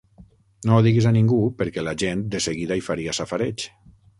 No ho diguis a ningú, perquè la gent de seguida hi faria safareig.